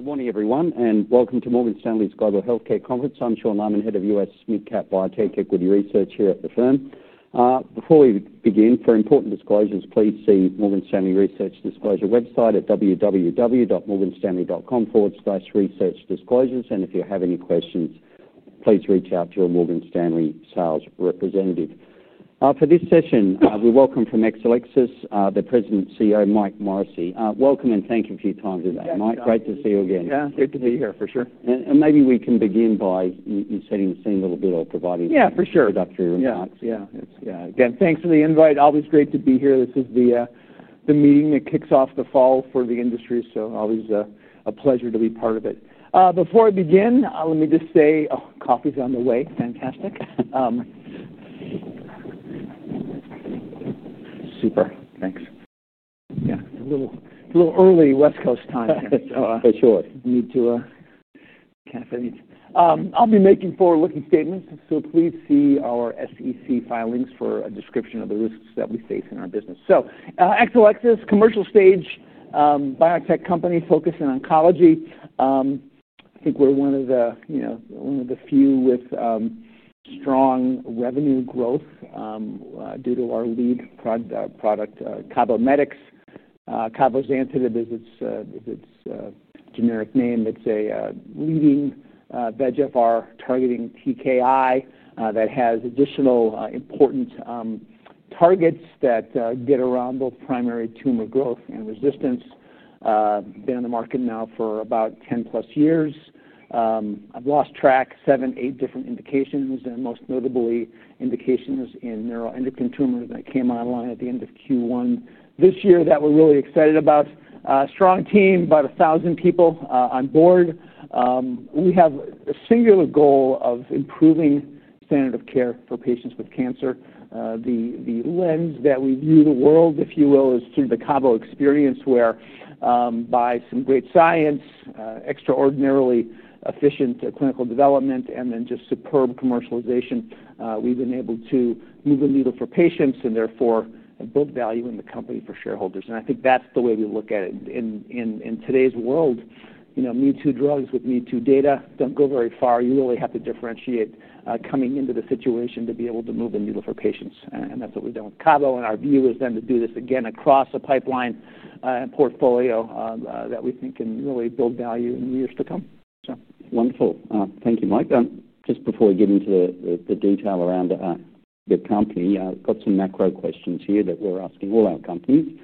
Good morning, everyone, and welcome to Morgan Stanley's Global Healthcare Conference. I'm Sean Laaman, Head of U.S. SMID Cap Biotech Equity Research here at the firm. Before we begin, for important disclosures, please see Morgan Stanley research disclosure website at www.morganstanley.com/researchdisclosures. If you have any questions, please reach out to a Morgan Stanley sales representative. For this session, we welcome from Exelixis the President and CEO, Mike Morrissey. Welcome and thank you for your time today, Mike. Great to see you again. Yeah, good to be here for sure. Maybe we can begin by you setting the scene a little bit or providing some introductory insights. Yeah, for sure. Again, thanks for the invite. Always great to be here. This is the meeting that kicks off the fall for the industry, so always a pleasure to be part of it. Before I begin, let me just say, oh, coffee's on the way. Fantastic. Super. Thanks. Yeah, it's a little early West Coast time here, so I need to caffeinate. I'll be making forward-looking statements, so please see our SEC filings for a description of the risks that we face in our business. Exelixis, commercial-stage biotech company focused in oncology. I think we're one of the, you know, one of the few with strong revenue growth due to our lead product, CABOMETYX. cabozantinib is its generic name. It's a leading VEGFR-targeting TKI that has additional important targets that get around both primary tumor growth and resistance. Been on the market now for about 10+ years. I've lost track, seven, eight different indications, and most notably, indications in neuroendocrine tumors that came online at the end of Q1 this year that we're really excited about. Strong team, about 1,000 people on board. We have a singular goal of improving standard of care for patients with cancer. The lens that we view the world, if you will, is through the CABO experience, where, by some great science, extraordinarily efficient clinical development, and then just superb commercialization, we've been able to move the needle for patients and therefore build value in the company for shareholders. I think that's the way we look at it. In today's world, you know, me too drugs with me too data don't go very far. You really have to differentiate coming into the situation to be able to move the needle for patients. That's what we've done with CABO, and our view is then to do this again across a pipeline and portfolio that we think can really build value in the years to come. Wonderful. Thank you, Mike. Just before we get into the detail around your company, I've got some macro questions here that we're asking all our companies.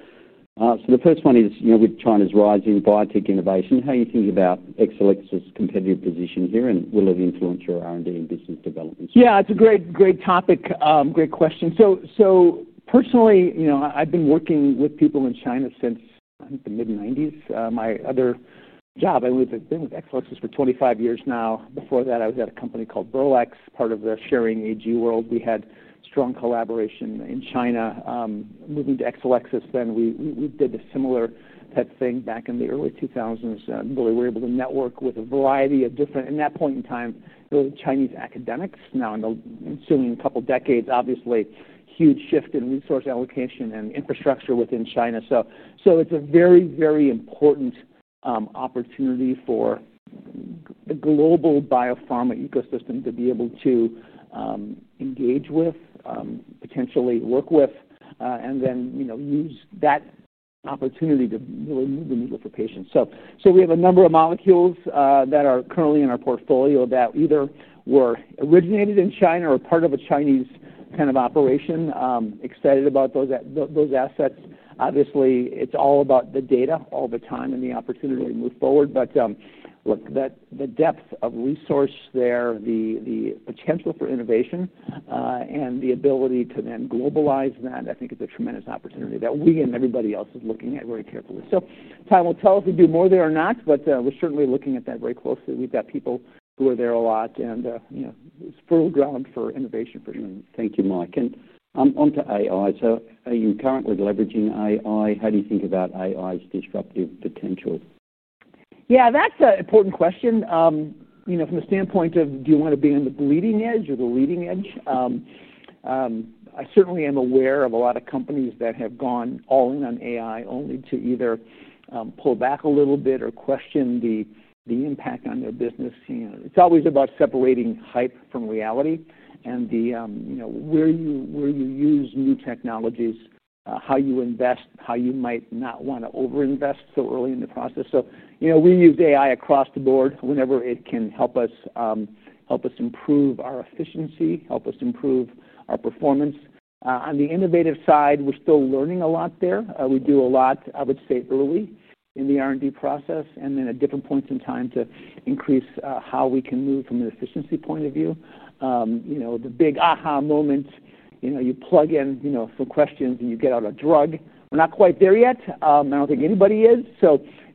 The first one is, you know, with China's rising biotech innovation, how are you thinking about Exelixis' competitive position here and will it influence your R&D and business development? Yeah, it's a great topic, great question. Personally, I've been working with people in China since, I think, the mid-'90s. My other job, I've been with Exelixis for 25 years now. Before that, I was at a company called Berlex, part of the Schering AG world. We had strong collaboration in China. Moving to Exelixis then, we did a similar type of thing back in the early 2000s. We were able to network with a variety of different, at that point in time, it was Chinese academics. In the ensuing couple of decades, obviously, there has been a huge shift in resource allocation and infrastructure within China. It's a very important opportunity for the global biopharma ecosystem to be able to engage with, potentially work with, and use that opportunity to really move the needle for patients. We have a number of molecules that are currently in our portfolio that either were originated in China or are part of a Chinese kind of operation. Excited about those assets. Obviously, it's all about the data all the time and the opportunity to move forward. The depth of resource there, the potential for innovation, and the ability to then globalize that, I think it's a tremendous opportunity that we and everybody else is looking at very carefully. Time will tell if we do more there or not, but we're certainly looking at that very closely. We've got people who are there a lot and, you know, spur of the ground for innovation. Thank you, Mike. On to AI. Are you currently leveraging AI? How do you think about AI's disruptive potential? Yeah, that's an important question. From the standpoint of, do you want to be on the bleeding edge or the leading edge? I certainly am aware of a lot of companies that have gone all in on AI only to either pull back a little bit or question the impact on their business. It's always about separating hype from reality and where you use new technologies, how you invest, how you might not want to overinvest so early in the process. We use AI across the board whenever it can help us, help us improve our efficiency, help us improve our performance. On the innovative side, we're still learning a lot there. We do a lot early in the R&D process and then at different points in time to increase how we can move from an efficiency point of view. The big aha moments, you plug in some questions and you get out a drug. We're not quite there yet. I don't think anybody is.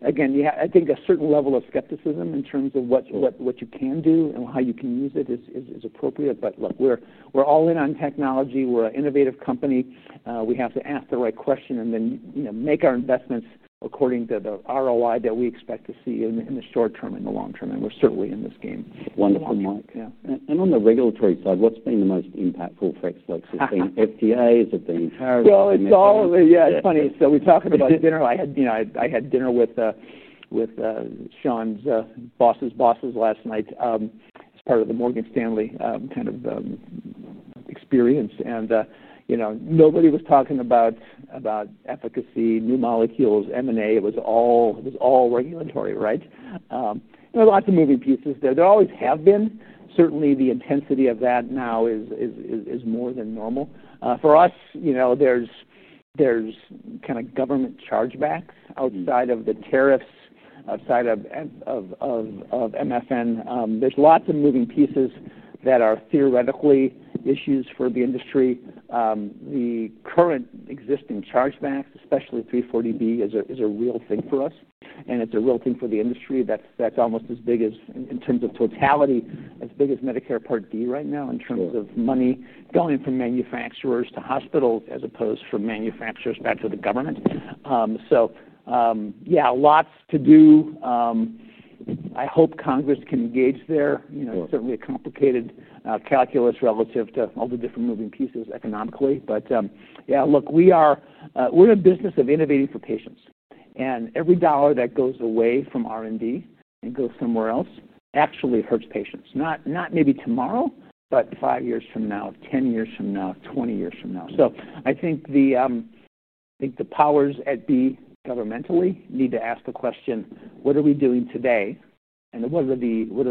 I think a certain level of skepticism in terms of what you can do and how you can use it is appropriate. Look, we're all in on technology. We're an innovative company. We have to ask the right question and then make our investments according to the ROI that we expect to see in the short term and the long term. We're certainly in this game. Wonderful, Mike. On the regulatory side, what's been the most impactful for Exelixis? FDAs? Have they been? Yeah, it's funny. We talked about dinner. I had dinner with Sean's boss' bosses last night as part of the Morgan Stanley kind of experience. Nobody was talking about efficacy, new molecules, M&A. It was all regulatory, right? There are lots of moving pieces there. There always have been. Certainly, the intensity of that now is more than normal. For us, there's kind of government chargebacks outside of the tariffs, outside of MFN. There are lots of moving pieces that are theoretically issues for the industry. The current existing chargebacks, especially 340B, is a real thing for us. It's a real thing for the industry. That's almost as big as, in terms of totality, as big as Medicare Part D right now in terms of money going from manufacturers to hospitals as opposed from manufacturers back to the government. Yeah, lots to do. I hope Congress can engage there. It's certainly a complicated calculus relative to all the different moving pieces economically. We are in a business of innovating for patients. Every dollar that goes away from R&D and goes somewhere else actually hurts patients. Not maybe tomorrow, but five years from now, 10 years from now, 20 years from now. I think the powers that be governmentally need to ask the question, what are we doing today? What are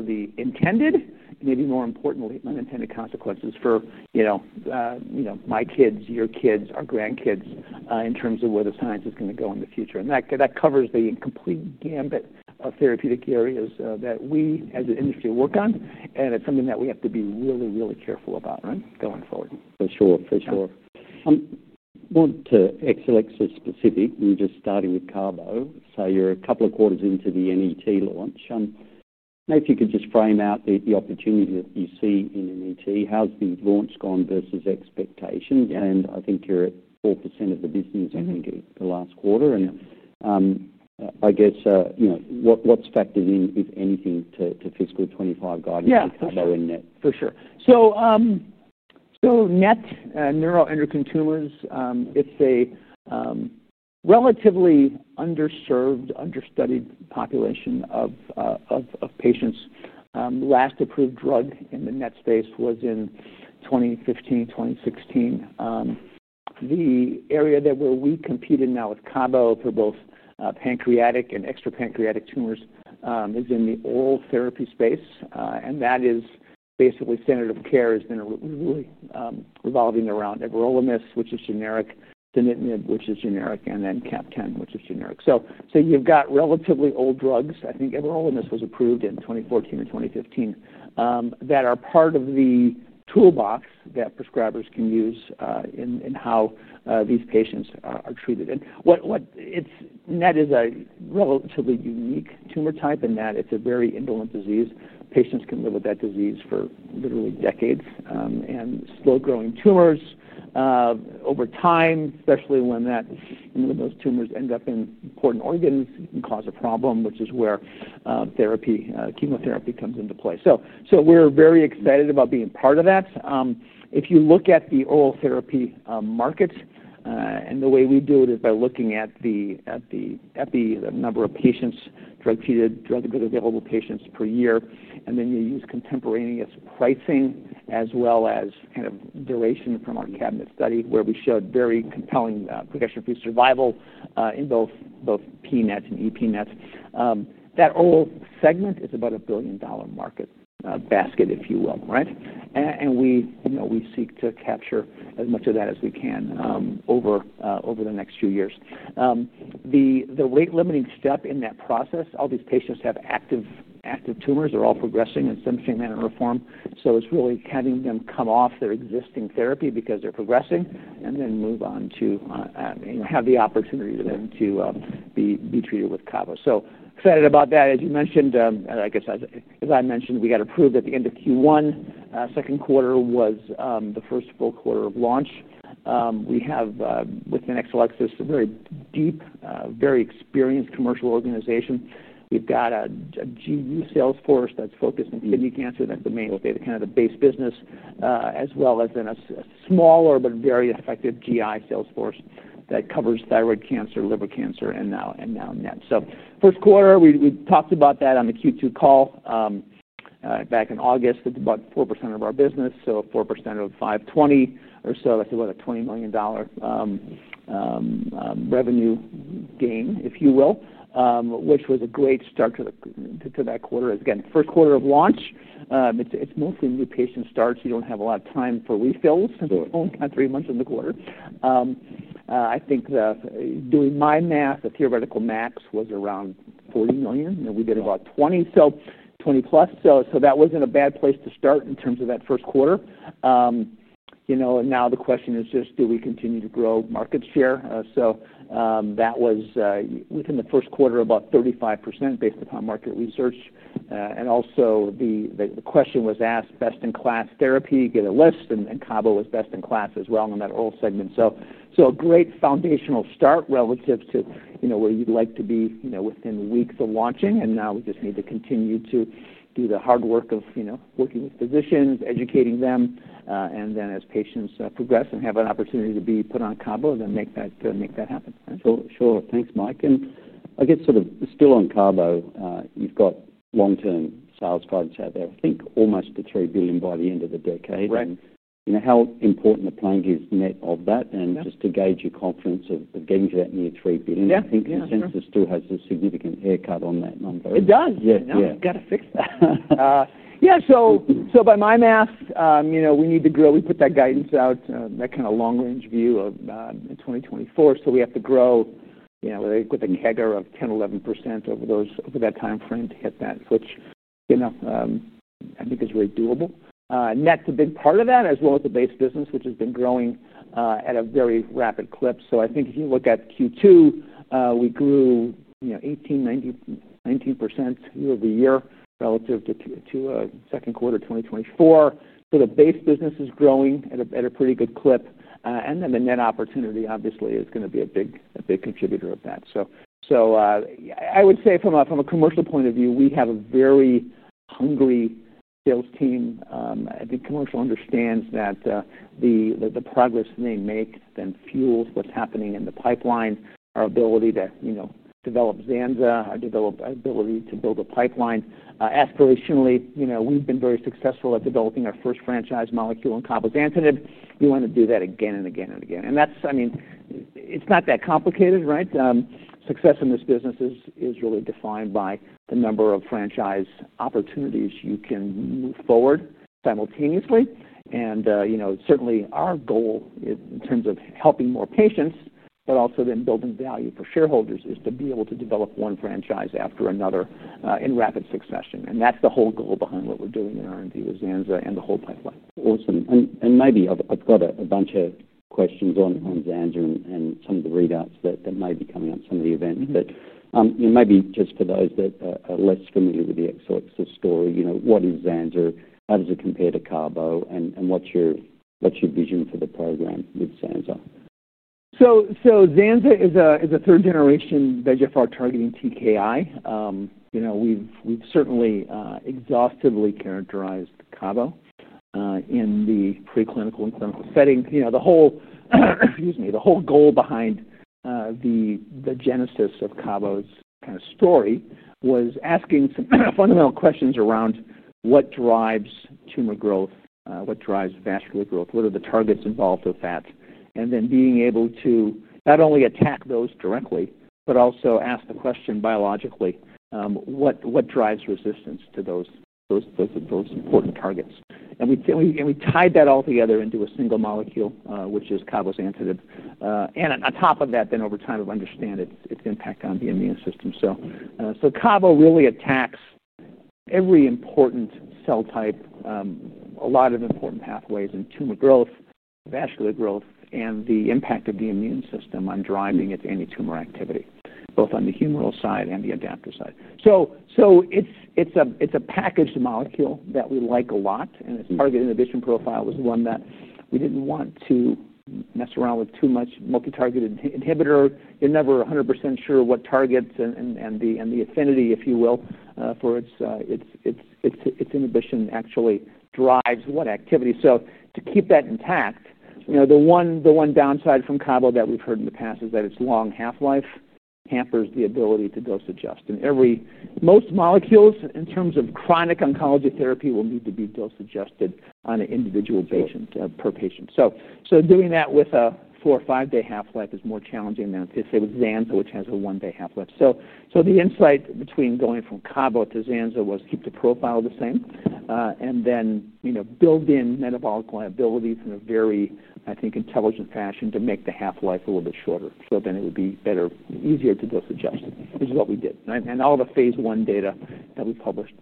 the intended, maybe more importantly, unintended consequences for my kids, your kids, our grandkids in terms of where the science is going to go in the future? That covers the complete gambit of therapeutic areas that we as an industry work on. It's something that we have to be really, really careful about going forward. For sure, for sure. I'm more to Exelixis specific. You just started with CABO. You're a couple of quarters into the NET launch. Maybe if you could just frame out the opportunity that you see in NET. How's the launch gone versus expectation? I think you're at 4% of the business in the last quarter. I guess what's factored in, if anything, to fiscal 2025 guidance for CABO and NET? Yeah, for sure. NET, neuroendocrine tumors, it's a relatively underserved, understudied population of patients. Last approved drug in the NET space was in 2015, 2016. The area where we compete in now with CABO for both pancreatic and extrapancreatic tumors is in the oral therapy space. That is basically standard of care has been really revolving around everolimus, which is generic, [dovitinib], which is generic, and then CAPTEM, which is generic. You've got relatively old drugs, I think everolimus was approved in 2014 or 2015, that are part of the toolbox that prescribers can use in how these patients are treated. NET is a relatively unique tumor type in that it's a very indolent disease. Patients can live with that disease for literally decades. Slow-growing tumors over time, especially when those tumors end up in important organs, can cause a problem, which is where chemotherapy comes into play. We're very excited about being part of that. If you look at the oral therapy market, the way we do it is by looking at the number of patients, drug-treated, drug-available patients per year, and then you use contemporaneous pricing as well as kind of duration from our CABINET study where we showed very compelling progression-free survival in both pNET and epNET. That oral segment is about a $1 billion market basket, if you will, right? We seek to capture as much of that as we can over the next few years. The rate-limiting step in that process, all these patients have active tumors that are all progressing and sanctioning that in reform. It's really having them come off their existing therapy because they're progressing and then move on to have the opportunity to then be treated with CABO. Excited about that. As you mentioned, I guess, as I mentioned, we got approved at the end of Q1. Second quarter was the first full quarter of launch. We have, within Exelixis, a very deep, very experienced commercial organization. We've got a GU sales force that's focused on kidney cancer that's been mainly kind of the base business, as well as then a smaller but very effective GI sales force that covers thyroid cancer, liver cancer, and now NET. First quarter, we talked about that on the Q2 call back in August. It's about 4% of our business. 4% of $520 million or so, that's about a $20 million revenue gain, if you will, which was a great start to that quarter. Again, first quarter of launch, it's mostly new patient starts. You don't have a lot of time for refills since we're only three months in the quarter. I think doing my math, the theoretical max was around $40 million. We did about $20 million, so $20+ million. That wasn't a bad place to start in terms of that first quarter. Now the question is just do we continue to grow market share? That was within the first quarter about 35% based upon market research. Also, the question was asked, best-in-class therapy, get a list, and CABO was best-in-class as well in that oral segment. A great foundational start relative to where you'd like to be within weeks of launching. We just need to continue to do the hard work of working with physicians, educating them, and then as patients progress and have an opportunity to be put on CABO, then make that happen. Sure. Thanks, Mike. I guess sort of still on CABO, you've got long-term sales cards out there. I think almost to $3 billion by the end of the decade, right? You know how important the plan is net of that, and just to gauge your confidence of getting to that near $3 billion. I think the census still has a significant haircut on that number. It does. Yeah. You got to fix that. Yeah. By my math, you know, we need to grow. We put that guidance out, that kind of long-range view of 2024. We have to grow, you know, with a CAGR of 10%, 11% over that timeframe to hit that, which, you know, I think is very doable. NET's a big part of that, as well as the base business, which has been growing at a very rapid clip. I think if you look at Q2, we grew, you know, 18%, 19% year-over-year relative to the second quarter of 2024. The base business is growing at a pretty good clip. The NET opportunity, obviously, is going to be a big contributor of that. I would say from a commercial point of view, we have a very hungry sales team. I think commercial understands that the progress they make then fuels what's happening in the pipeline, our ability to, you know, develop zanza, our ability to build a pipeline. Aspirationally, you know, we've been very successful at developing our first franchise molecule in cabozantinib. You want to do that again and again and again. It's not that complicated, right? Success in this business is really defined by the number of franchise opportunities you can move forward simultaneously. Certainly our goal in terms of helping more patients, but also then building value for shareholders, is to be able to develop one franchise after another in rapid succession. That's the whole goal behind what we're doing in R&D with zanza and the whole pipeline. Awesome. I have a bunch of questions on zanza and some of the readouts that may be coming up, some of the events. For those that are less familiar with the Exelixis story, what is zanza? How does it compare to cabo? What's your vision for the program with zanza? Zanza is a third-generation VEGFR targeting TKI. We've certainly exhaustively characterized cabo in the preclinical and clinical settings. The whole goal behind the genesis of cabo's kind of story was asking some fundamental questions around what drives tumor growth, what drives vascular growth, what are the targets involved with that, and then being able to not only attack those directly, but also ask the question biologically, what drives resistance to those important targets. We tied that all together into a single molecule, which is cabozantinib. Over time, we understand its impact on the immune system. Cabo really attacks every important cell type, a lot of important pathways in tumor growth, vascular growth, and the impact of the immune system on driving its antitumor activity, both on the humoral side and the adaptive side. It's a packaged molecule that we like a lot. Part of the inhibition profile was one that we didn't want to mess around with too much. Multitargeted inhibitor, you're never 100% sure what targets and the affinity, if you will, for its inhibition actually drives what activity. To keep that intact, the one downside from cabo that we've heard in the past is that its long half-life hampers the ability to dose adjust. Most molecules in terms of chronic oncology therapy will need to be dose adjusted on an individual patient per patient. Doing that with a four or five-day half-life is more challenging than if they would zanza, which has a one-day half-life. The insight between going from cabo to zanza was to keep the profile the same and then build in metabolic liability from a very, I think, intelligent fashion to make the half-life a little bit shorter so that it would be better, easier to dose adjust, which is what we did. All the phase I data that we published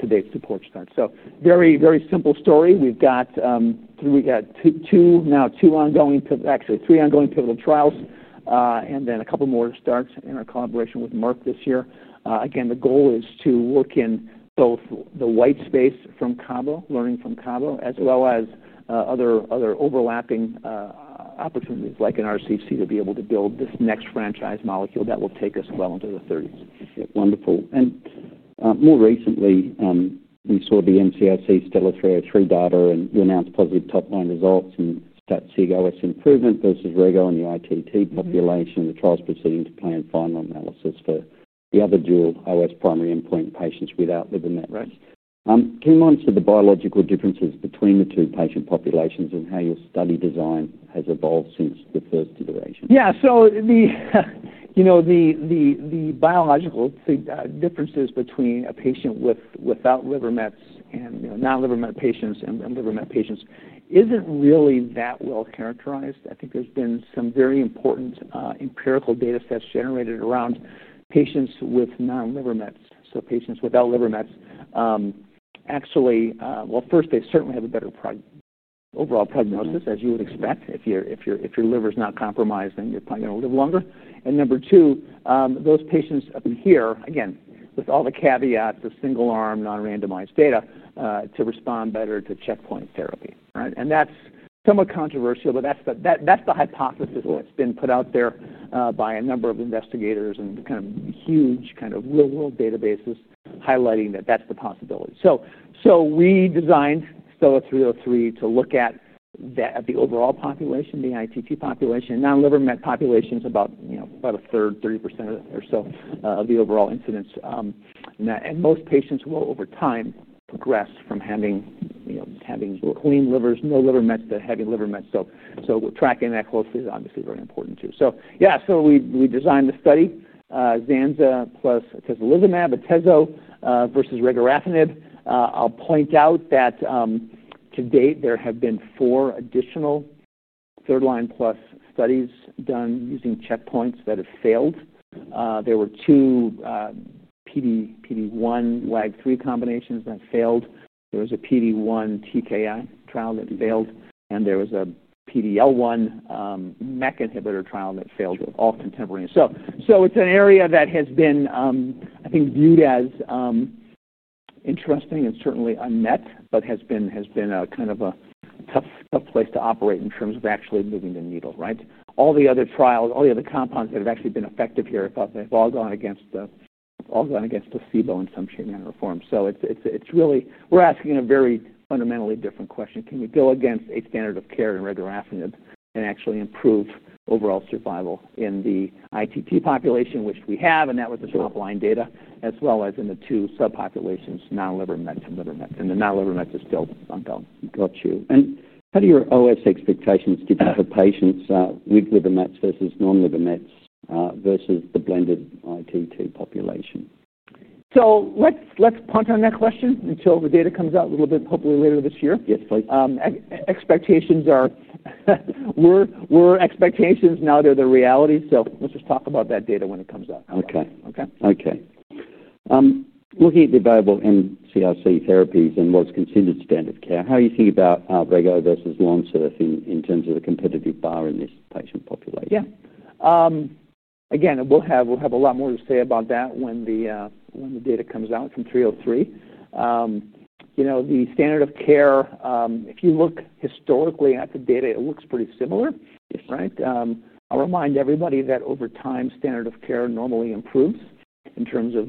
to date supports that. Very, very simple story. We've got two, now two ongoing, actually three ongoing pivotal trials and then a couple more to start in our collaboration with Merck this year. The goal is to look in both the white space from cabo, learning from cabo, as well as other overlapping opportunities like in RCC to be able to build this next franchise molecule that will take us well into the 2030s. Wonderful. More recently, we saw the mCRC STELLAR-303 data and you announced positive top-line results and stat OS improvement versus rego in the ITT population. The trial is proceeding to plan for analysis for the other dual OS primary endpoint, patients without liver mets, right? Can you answer the biological differences between the two patient populations and how your study design has evolved since the first iteration? Yeah, the biological differences between a patient without liver mets and non-liver met patients and liver met patients isn't really that well characterized. I think there's been some very important empirical data sets generated around patients with non-liver mets. Patients without liver mets actually, first, they certainly have a better overall prognosis, as you would expect. If your liver is not compromised, then you're probably going to live longer. Number two, those patients, again, with all the caveats, the single arm, non-randomized data, tend to respond better to checkpoint therapy. That's somewhat controversial, but that's the hypothesis that's been put out there by a number of investigators and kind of huge real-world databases highlighting that that's the possibility. We designed STELLAR-303 to look at the overall population, the ITT population. Non-liver met population is about a third, 30% or so of the overall incidence. Most patients will, over time, progress from having clean livers, no liver mets, to heavy liver mets. Tracking that closely is obviously very important too. We designed the study, zanza plus atezolizumab, atezol versus regorafenib. I'll point out that to date there have been four additional third-line plus studies done using checkpoints that have failed. There were two PD-1/LAG-3 combinations that failed. There was a PD-1/TKI trial that failed. There was a PD-L1/MEK inhibitor trial that failed, all contemporaneous. It's an area that has been, I think, viewed as interesting and certainly unmet, but has been a kind of a tough place to operate in terms of actually moving the needle, right? All the other trials, all the other compounds that have actually been effective here, I thought they've all gone against placebo in some shape and form. We're asking a very fundamentally different question. Can we go against a standard of care in regorafenib and actually improve overall survival in the ITT population, which we have, and that was the top-line data, as well as in the two subpopulations, non-liver mets and liver mets? The non-liver mets are still ongoing. Got you. How do your OS expectations get out of patients with liver mets versus non-liver mets versus the blended ITT population? Let's punt on that question until the data comes out a little bit, hopefully later this year. Yes, please. Expectations are expectations, now they're the reality, so let's just talk about that data when it comes out. Okay. Okay? Okay. Looking at the available mCRC therapies and what's considered standard of care, how do you think about rego versus LONSURF in terms of the competitive bar in this patient population? Yeah. We'll have a lot more to say about that when the data comes out from 303. The standard of care, if you look historically at the data, looks pretty similar, right? I'll remind everybody that over time, standard of care normally improves in terms of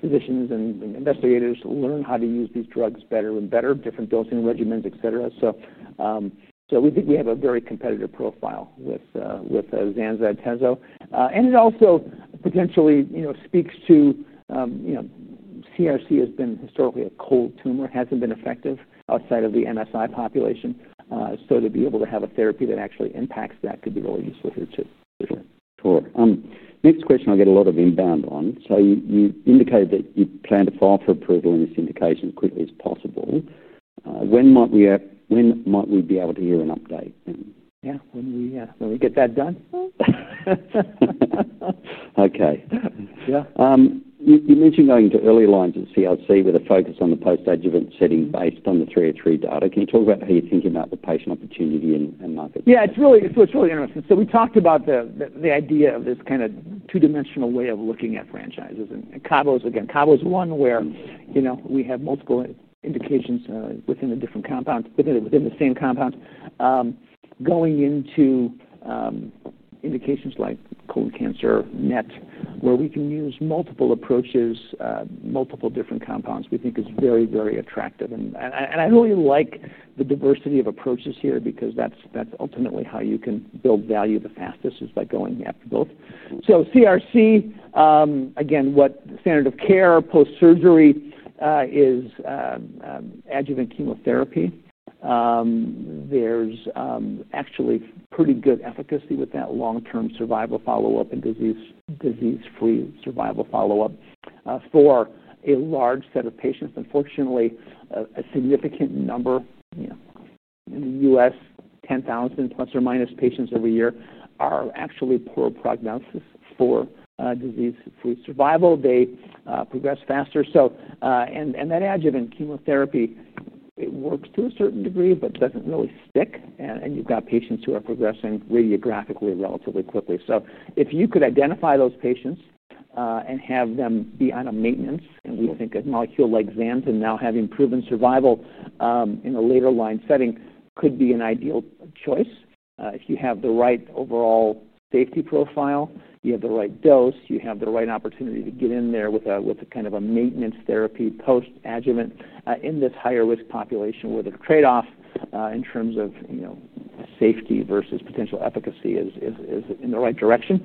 physicians and investigators learning how to use these drugs better and better, different dosing regimens, etc. We think we have a very competitive profile with zanza and atezol. It also potentially speaks to CRC has been historically a cold tumor, hasn't been effective outside of the MSI population. To be able to have a therapy that actually impacts that could be really useful here too. Sure. Next question I get a lot of inbound on. You indicated that you plan to file for approval in this indication as quickly as possible. When might we be able to hear an update? Yeah, when we get that done. Okay. Yeah. You mentioned going to early lines of CRC with a focus on the post-adjuvant setting based on the 303 data. Can you talk about how you're thinking about the patient opportunity and market? Yeah, it's really interesting. We talked about the idea of this kind of two-dimensional way of looking at franchises. CABO is, again, CABO is one where we have multiple indications within the same compound. Going into indications like colorectal cancer, neuroendocrine tumors, where we can use multiple approaches, multiple different compounds, we think is very attractive. I really like the diversity of approaches here because that's ultimately how you can build value the fastest by going after both. CRC, again, what standard of care post-surgery is adjuvant chemotherapy. There's actually pretty good efficacy with that long-term survival follow-up and disease-free survival follow-up for a large set of patients. Unfortunately, a significant number, in the U.S., 10,000± patients every year are actually poor prognosis for disease-free survival. They progress faster. That adjuvant chemotherapy, it works to a certain degree, but doesn't really stick. You've got patients who are progressing radiographically relatively quickly. If you could identify those patients and have them be on a maintenance, and we think a molecule like zanza, now having proven survival in a later line setting, could be an ideal choice. If you have the right overall safety profile, you have the right dose, you have the right opportunity to get in there with a kind of a maintenance therapy post-adjuvant in this higher risk population where the trade-off in terms of safety versus potential efficacy is in the right direction,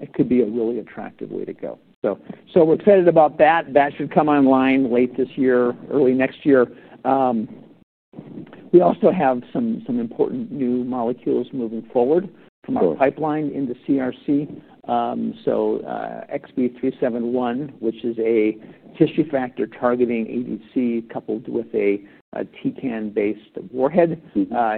it could be a really attractive way to go. We're excited about that. That should come online late this year, early next year. We also have some important new molecules moving forward from our pipeline into CRC. XB371, which is a tissue factor targeting ADC coupled with a TCAN-based warhead,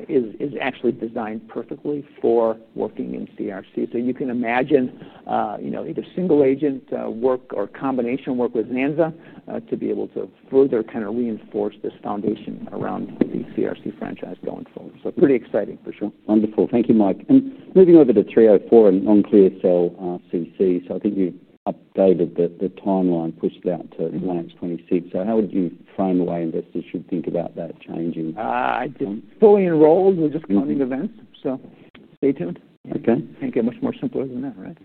is actually designed perfectly for working in CRC. You can imagine either single agent work or combination work with zanza to be able to further reinforce this foundation around the CRC franchise going forward. Pretty exciting for sure. Wonderful. Thank you, Mike. Moving over to 304 and non-treated cell CMC, I think you updated the timeline, pushed it out to March 26. How would you frame the way investors should think about that change? I'm fully enrolled. We're just closing events. Stay tuned. Okay. Can't get much more simple than that, right?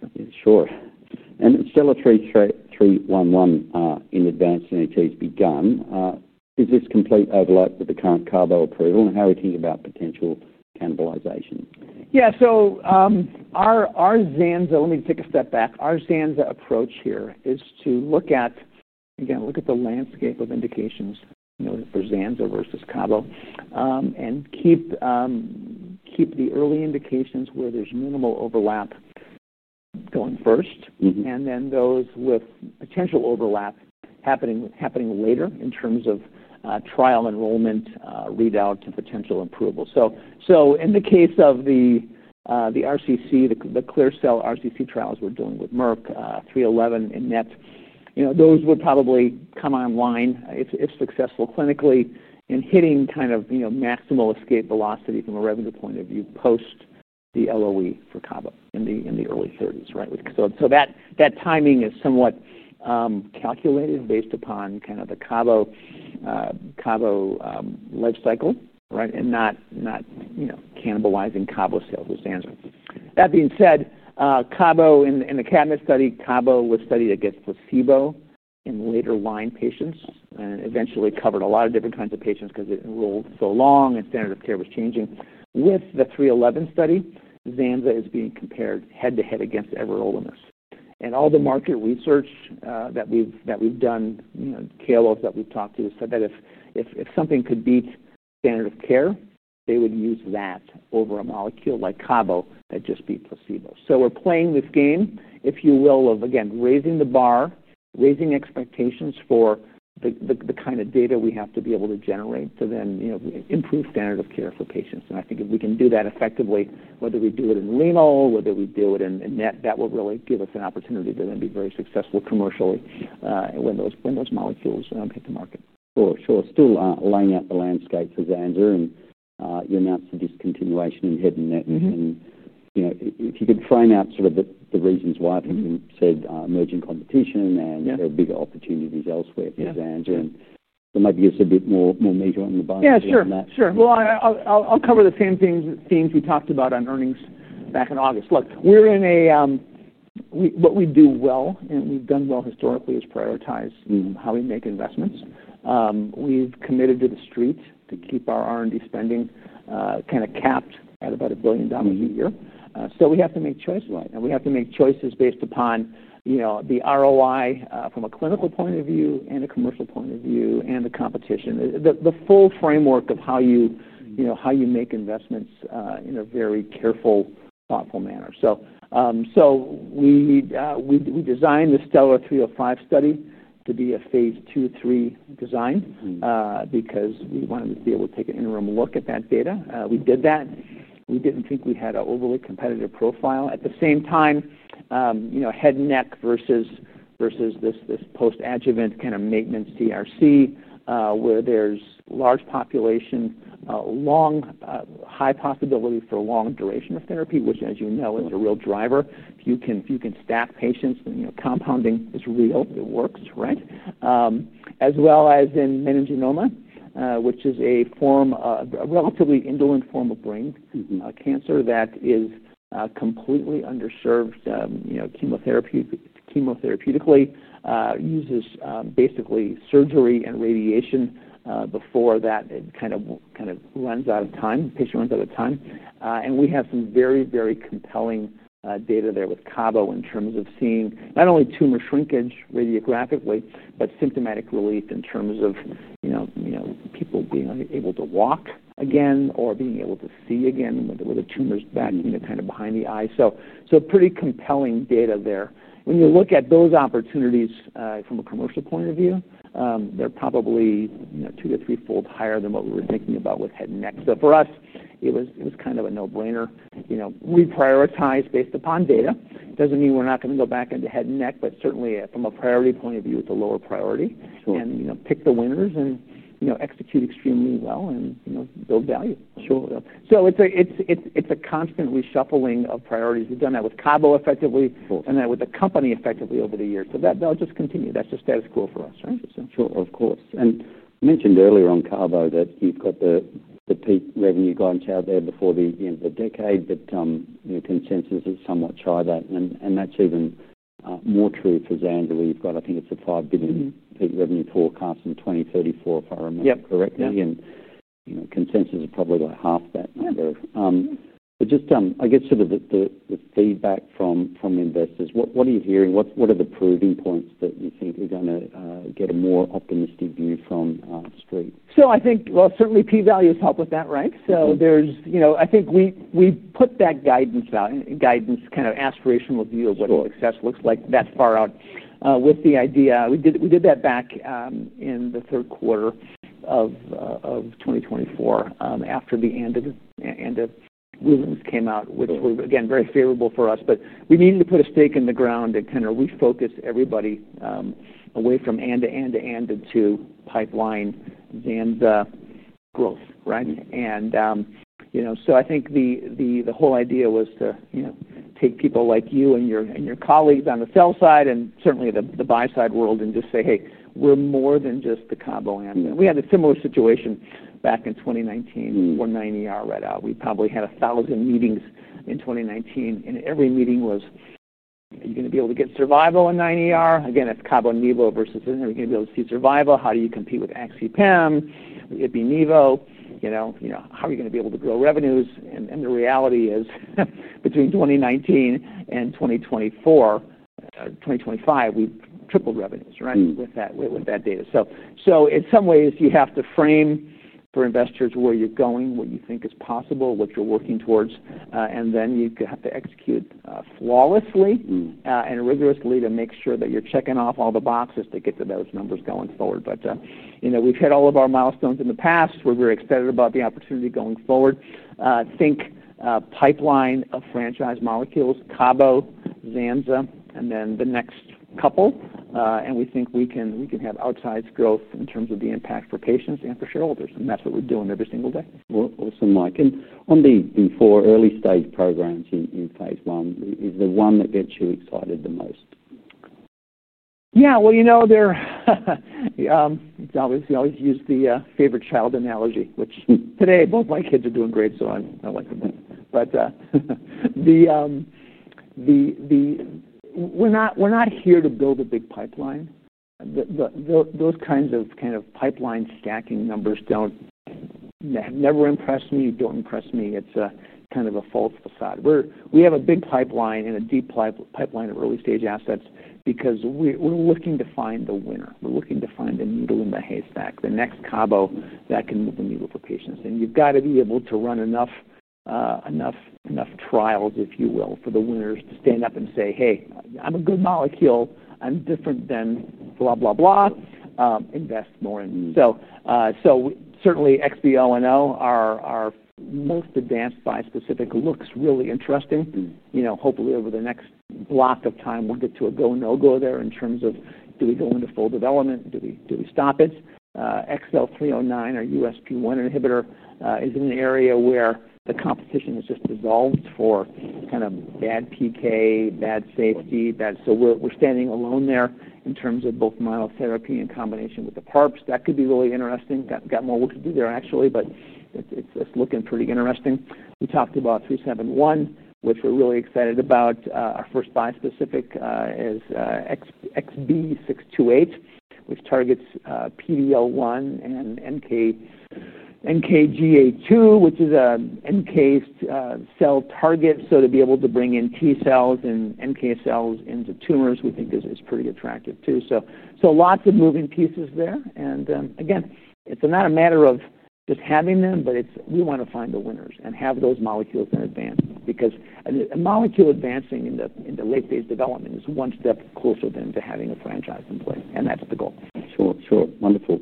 Sure. STELLAR-311, in advance of NETs begun, is this complete overlap with the current CABO approval? How are you thinking about potential cannibalization? Yeah, our zanza, let me take a step back. Our zanza approach here is to look at, again, look at the landscape of indications for zanza versus cabo, and keep the early indications where there's minimal overlap going first. Then those with potential overlap happening later in terms of trial enrollment, readout to potential approval. In the case of the RCC, the clear cell RCC trials we're doing with Merck, 311 and NET, those would probably come online if successful clinically in hitting kind of maximal escape velocity from a revenue point of view post the LOE for cabo in the early 2030s, right? That timing is somewhat calculated based upon the cabo lifecycle, right? Not cannibalizing cabo sales with zanza. That being said, cabo in the CABINET study was studied against placebo in later line patients and eventually covered a lot of different kinds of patients because it will go long and standard of care was changing. With the 311 study, zanza is being compared head-to-head against everolimus. All the market research that we've done, KOLs that we've talked to have said that if something could beat standard of care, they would use that over a molecule like cabo that just beat placebo. We're playing this game, if you will, of raising the bar, raising expectations for the kind of data we have to be able to generate to then improve standard of care for patients. I think if we can do that effectively, whether we do it in [limu], whether we do it in NET, that will really give us an opportunity to then be very successful commercially when those molecules hit the market. Sure. Still laying out the landscape for zanza. You announced the discontinuation in mid NET. If you could frame out sort of the reasons why, I think you said emerging competition and there are bigger opportunities elsewhere for zanza. Maybe give us a bit more meat on the bone on that. Yeah, sure. I'll cover the same things we talked about on earnings back in August. Look, what we do well and we've done well historically is prioritize in how we make investments. We've committed to the street to keep our R&D spending kind of capped at about $1 billion a year. Still, we have to make choices. We have to make choices based upon the ROI from a clinical point of view and a commercial point of view and the competition. The full framework of how you make investments in a very careful, thoughtful manner. We designed the STELLAR-305 study to be a phase II, III design because we wanted to be able to take an interim look at that data. We did that. We didn't think we had an overly competitive profile. At the same time, head and neck versus this post-adjuvant kind of maintenance [TRC] where there's large population, high possibility for long duration of therapy, which, as you know, is a real driver. If you can stack patients, compounding is real. It works, right? As well as in meningioma, which is a form of a relatively indolent form of brain cancer that is completely underserved, chemotherapeutically, uses basically surgery and radiation before that kind of runs out of time. The patient runs out of time. We have some very, very compelling data there with cabo in terms of seeing not only tumor shrinkage radiographically, but symptomatic relief in terms of people being able to walk again or being able to see again with the tumors back, kind of behind the eye. Pretty compelling data there. When you look at those opportunities from a commercial point of view, they're probably two to three-fold higher than what we were thinking about with head and neck. For us, it was kind of a no-brainer, reprioritize based upon data. Doesn't mean we're not going to go back into head and neck, but certainly from a priority point of view, it's a lower priority. Pick the winners and execute extremely well and build value. Sure. It's a constant reshuffling of priorities. We've done that with CABO effectively and then with the company effectively over the years. That'll just continue. That's just status quo for us, right? Of course. You mentioned earlier on CABO that you've got the peak revenue going out there before the end of the decade, but your consensus is somewhat shy there. That is even more true for zanza. You've got, I think it's a $5 billion revenue forecast in 2034, if I remember correctly. Consensus is probably about half that number. With feedback from investors, what are you hearing? What are the proving points that you think are going to get a more optimistic view from the street? I think P-values help with that, right? There's, you know, I think we've put that guidance out, guidance kind of aspirational view of what success looks like that far out with the idea. We did that back in the third quarter of 2024 after the ANDA and the Williams came out, which was, again, very favorable for us. We needed to put a stake in the ground and kind of refocus everybody away from ANDA and ANDA to pipeline zanza growth, right? I think the whole idea was to take people like you and your colleagues on the sell side and certainly the buy side world and just say, hey, we're more than just the Cabo end. We had a similar situation back in 2019 where 9ER read out. We probably had a thousand meetings in 2019 and every meeting was, are you going to be able to get survival in 9ER? Again, it's cabo and nivo versus are you going to be able to see survival? How do you compete with [axi/pem]? It'd be nivo. You know, how are you going to be able to grow revenues? The reality is between 2019 and 2024, 2025, we've tripled revenues, right, with that data. In some ways, you have to frame for investors where you're going, what you think is possible, what you're working towards, and then you have to execute flawlessly and rigorously to make sure that you're checking off all the boxes to get to those numbers going forward. We've hit all of our milestones in the past. We're very excited about the opportunity going forward. I think pipeline of franchise molecules, cabo, zanza, and then the next couple, and we think we can have outside scope in terms of the impact for patients and for shareholders. That's what we're doing every single day. Awesome, Mike. On the four early stage programs in phase I, is the one that gets you excited the most? Yeah, you know, I always use the favorite child analogy, which today both of my kids are doing great, so I like them. We're not here to build a big pipeline. Those kinds of pipeline stacking numbers have never impressed me. It's a kind of a false facade. We have a big pipeline and a deep pipeline of early stage assets because we're looking to find the winner. We're looking to find the needle in the haystack, the next cabo that can move the needle for patients. You've got to be able to run enough trials, if you will, for the winners to stand up and say, hey, I'm a good molecule. I'm different than blah, blah, blah. Invest more in. Certainly, [XBLNL], our most advanced bi-specific, looks really interesting. Hopefully over the next block of time, we'll get to a go/no-go there in terms of do we go into full development or do we stop it. XL309, our USP1 inhibitor, is in an area where the competition has just devolved for kind of bad PK, bad safety. We're standing alone there in terms of both monotherapy in combination with the PARPs. That could be really interesting. Got more work to do there, actually, but it's looking pretty interesting. We talked about 371, which we're really excited about. Our first bi-specific is XB628, which targets PD-L1 and NKGA2, which is an NK cell target. To be able to bring in T cells and NK cells into tumors, we think is pretty attractive too. Lots of moving pieces there. Again, it's not a matter of just having them, but we want to find the winners and have those molecules in advance. Because a molecule advancing in the late phase development is one step closer than to having a franchise employee. That's the goal. Sure. Wonderful.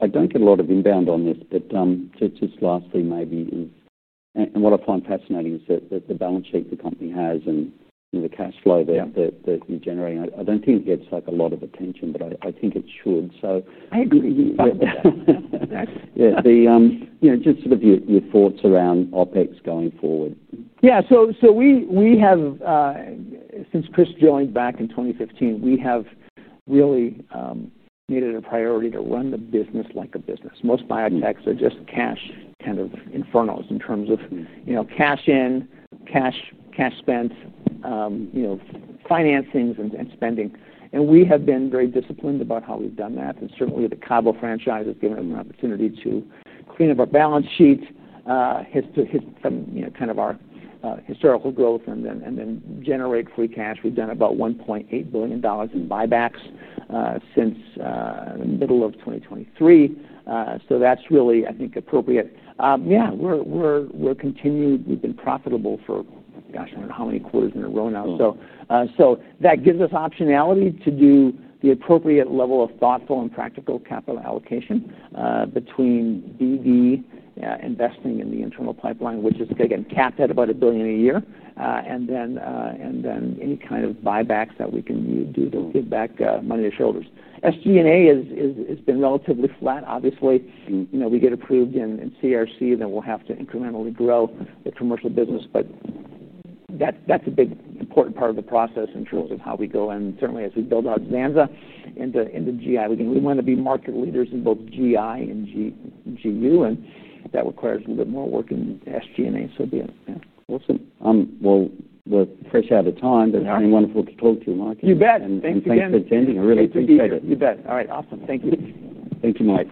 I don't get a lot of inbound on this, but just last thing maybe is, what I find fascinating is that the balance sheet the company has and the cash flow that you're generating. I don't think it gets a lot of attention, but I think it should. Just sort of your thoughts around OpEx going forward. Yeah, so we have, since Chris joined back in 2015, really made it a priority to run the business like a business. Most biotechs are just cash kind of infernos in terms of, you know, cash in, cash spent, financings and spending. We have been very disciplined about how we've done that. Certainly, the cabo franchise has given an opportunity to clean up our balance sheet, kind of our historical growth, and then generate free cash. We've done about $1.8 billion in buybacks since the middle of 2023. That's really, I think, appropriate. Yeah, we're continued. We've been profitable for, gosh, I don't know how many quarters in a row now. That gives us optionality to do the appropriate level of thoughtful and practical capital allocation between BD investing in the internal pipeline, which is again capped at about $1 billion a year, and then any kind of buybacks that we can do to give back money to shareholders. SG&A has been relatively flat. Obviously, you know, we get approved in CRC, then we'll have to incrementally grow the commercial business. That's a big important part of the process in terms of how we go. Certainly, as we build out zanza and the GI, we want to be market leaders in both GI and GU. That requires a little bit more work in SG&A. Yeah, we'll see. We're fresh out of time, but very wonderful to talk to you, Mike. You bet. Thanks again. Thanks for attending. I really appreciate it. You bet. All right. Awesome. Thank you. Thank you, Mike.